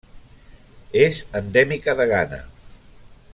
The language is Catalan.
És endèmica de Ghana.